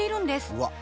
うわっ！